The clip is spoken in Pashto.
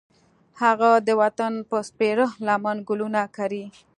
هغه د وطن په سپېره لمن ګلونه کري